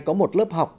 có một lớp học